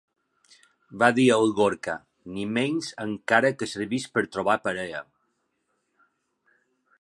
Va dir el Gorka—, ni menys encara que servís per trobar parella.